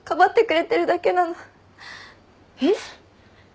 えっ？